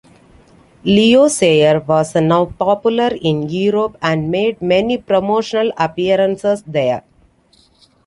Leo Sayer was now popular in Europe and made many promotional appearances there.